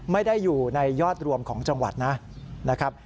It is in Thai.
ไม่ได้อยู่ในยอดรวมของจังหวัดนะครับ